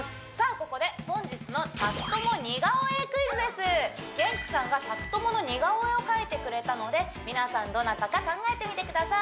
ここで本日の元気さんが宅トモの似顔絵を描いてくれたので皆さんどなたか考えてみてください